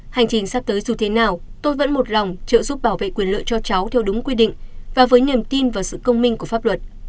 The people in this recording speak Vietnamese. hành trình sắp tới dù thế nào tôi vẫn một lòng trợ giúp bảo vệ quyền lợi cho cháu theo đúng quy định và với niềm tin và sự công minh của pháp luật